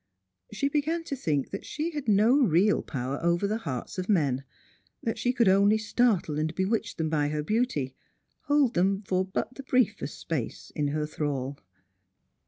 She began to think that she had no real power over the hearts of men; that she could only startle and bewitch them by her beauty ; hold them for but the briefest space in her thrall.